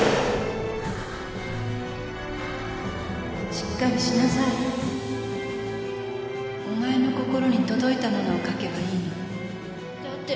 しっかりしなさいお前の心に届いたものを描けばいいの